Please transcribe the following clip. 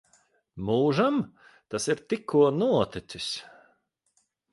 Mūžam? Tas ir tikko noticis.